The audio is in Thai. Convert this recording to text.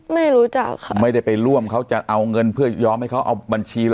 ไม่รู้จักค่ะไม่ได้ไปร่วมเขาจะเอาเงินเพื่อยอมให้เขาเอาบัญชีเรา